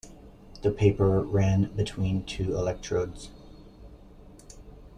The paper ran between two electrodes.